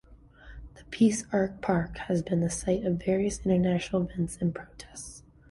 The Peace Arch Park has been the site of various international events and protests.